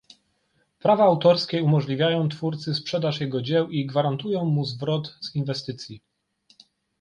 Prawa autorskie umożliwiają twórcy sprzedaż jego dzieł i gwarantują mu zwrot z inwestycji